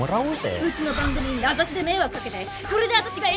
うちの番組に名指しで迷惑かけてこれで私が炎上する